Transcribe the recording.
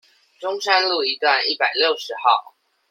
中山路一段一百六十號